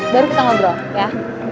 baru kita ngobrol ya